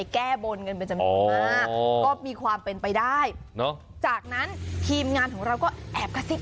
ก็มีความเป็นไปได้จากนั้นทีมงานของเราก็แอบกระซิบ